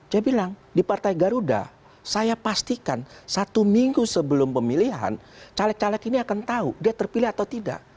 saya bilang di partai garuda saya pastikan satu minggu sebelum pemilihan caleg caleg ini akan tahu dia terpilih atau tidak